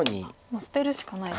もう捨てるしかない。